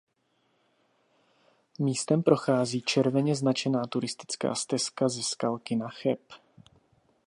Místem prochází červeně značená turistická stezka ze Skalky na Cheb.